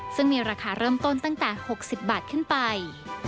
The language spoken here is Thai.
ซึ่งมีราคาเริ่มต้นตั้งแต่๖๐บาทขึ้นไป